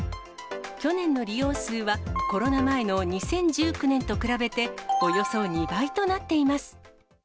去年の利用数は、コロナ前の２０１９年と比べて、およそ２倍となっています。